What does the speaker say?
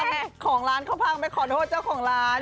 ของร้านเขาพังไปขอโทษเจ้าของร้าน